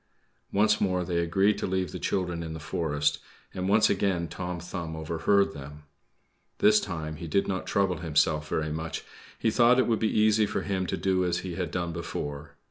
Once more they agreed to leave the children in the forest, and once again Tom Thumb overheard them. This time he did not trouble himself very much; he thought it would be easy for him to do as he had done before.